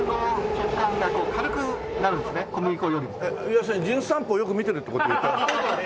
要するに『じゅん散歩』をよく見てるって事を言ってるの？